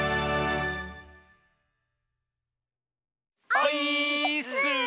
オイーッス！